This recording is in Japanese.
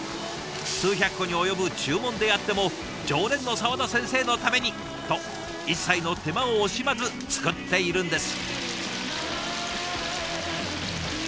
数百個に及ぶ注文であっても常連の沢田先生のために！と一切の手間を惜しまず作っているんです。